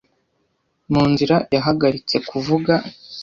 Mu nzira, yahagaritse kuvuga.